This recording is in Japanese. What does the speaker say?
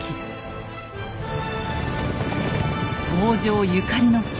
北条ゆかりの地